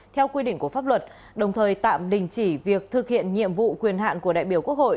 theo quy định của pháp luật đồng thời tạm đình chỉ việc thực hiện nhiệm vụ quyền hạn của đại biểu quốc hội